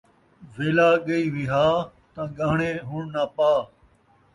ویلھا ڳئی وِہا ، تاں ڳاہݨے ہݨ ناں پا